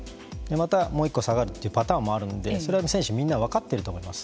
またもう１個下がるというパターンもあるのでそれは選手みんな分かっていると思います。